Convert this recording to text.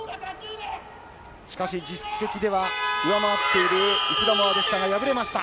しかし実績では上回っているイスラモアでしたが敗れました。